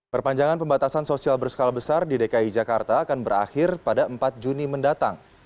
perpanjangan pembatasan sosial berskala besar di dki jakarta akan berakhir pada empat juni mendatang